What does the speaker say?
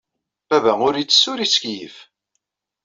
Baba ur itess ur yettkiyyif.